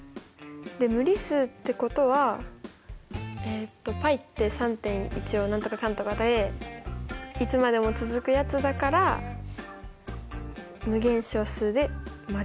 で無理数ってことはえっとπって３．１４何とかかんとかでいつまでも続くやつだから無限小数で○。